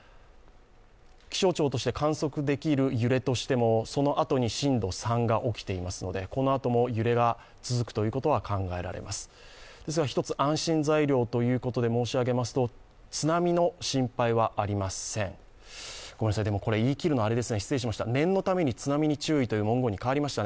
気象庁として観測できる揺れというのもそのあとに震度３が起きているのでこのあとも揺れが続くということは考えられます、ですが、でも言い切るのはあれですね、失礼しました、念のために津波に注意という文言に変わりました。